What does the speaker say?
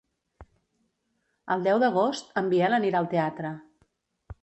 El deu d'agost en Biel anirà al teatre.